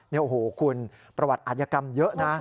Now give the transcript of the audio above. โอ้โหคุณประวัติอัธยกรรมเยอะนะ